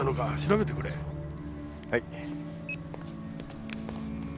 はい。